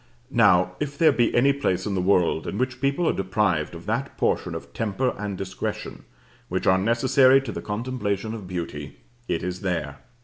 Now, if there be any place in the world in which people are deprived of that portion of temper and discretion which are necessary to the contemplation of beauty, it is there.